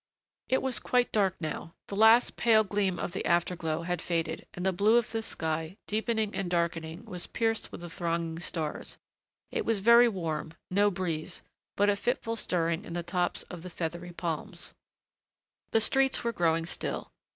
It was quite dark now. The last pale gleam of the afterglow had faded, and the blue of the sky, deepening and darkening, was pierced with the thronging stars. It was very warm; no breeze, but a fitful stirring in the tops of the feathery palms. The streets were growing still.